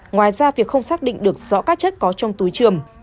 ngoài ra việc không xác định được rõ các chất có trong túi trường